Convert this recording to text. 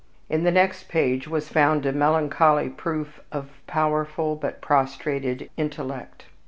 In the next page was found a melancholy proof of powerful but prostrated intellect.